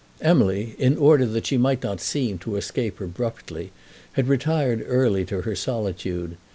Emily, in order that she might not seem to escape abruptly, had retired early to her solitude.